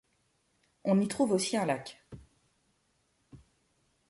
On y trouve aussi un lac.